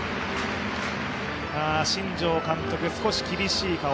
新庄監督、少し厳しい顔。